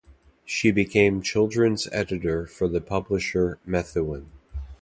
She became children's editor for the publisher Methuen.